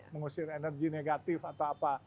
mengusir energi negatif atau apa